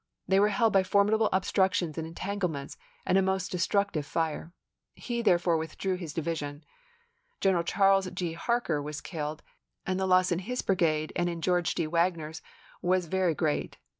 They were held by formidable obstructions and entanglements and a most destructive fire. He, therefore, withdrew his division. General Charles G. Harker was killed, and the loss in his brigade and in George D. Wagner's was very great.